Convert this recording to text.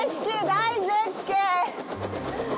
大絶景！